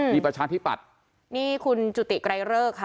มีประชาธิปัตย์นี่คุณจุติไกรเลิกค่ะ